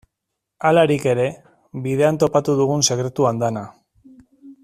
Halarik ere, bidean topatu dugun sekretu andana.